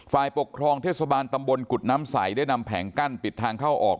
ฝ่ายปกครองเทศบาลตำบลกุฎน้ำใสได้นำแผงกั้นปิดทางเข้าออก